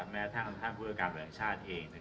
แม้ท่านผู้จัดการแหล่งชาติเอง